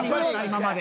今まで。